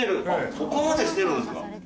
そこまでしてるんですか。